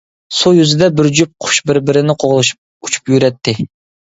سۇ يۈزىدە بىر جۈپ قۇش بىر-بىرىنى قوغلىشىپ ئۇچۇپ يۈرەتتى.